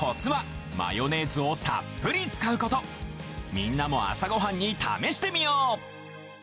みんなも朝ごはんに試してみよう！